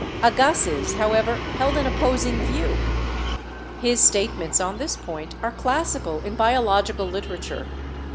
Agassiz, however, held an opposing view. His statements on this point are classical in bio logical literature.